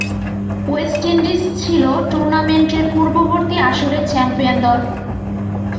West Indies ছিল টুর্নামেন্টের পূর্ববর্তী আসরের চ্যাম্পিয়ন দল।